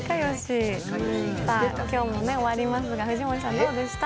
今日も終わりますが、藤森さん、どうですか？